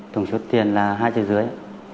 tổng số tiền là hai trừ dưới